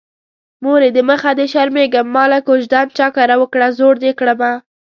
مورې د مخه دې شرمېږم ماله کوژدن چا کره وکړه زوړ دې کړمه